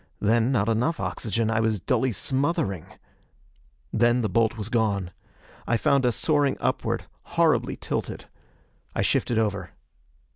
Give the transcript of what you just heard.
Then not enough oxygen. I was dully smothering.... Then the bolt was gone. I found us soaring upward, horribly tilted. I shifted over.